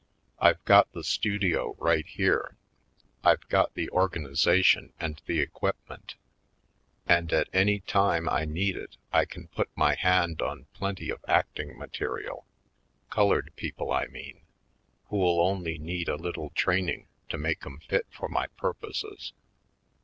I've got the studio right here — I've got the organization and the equip ment. And at any time I need it I can put my hand on plenty of acting material — colored people, I mean — who'll only need a little training to make 'em fit for my pur poses.